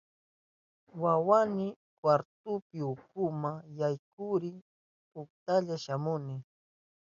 Wawayni, kwartu ukuma yaykuriy, kunalla shamuni.